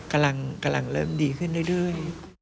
กำลังเริ่มดีขึ้นเรื่อย